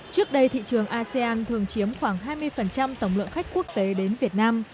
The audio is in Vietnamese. trước đây thị trường asean thường chiếm khoảng hai mươi tổng lượng khách quốc tế đến việt nam